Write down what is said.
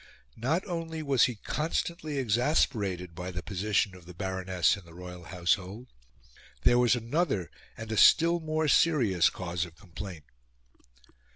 Not only was he constantly exasperated by the position of the Baroness in the royal household; there was another and a still more serious cause of complaint.